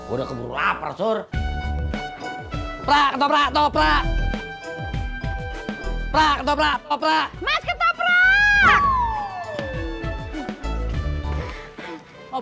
udah keburu lapar suruh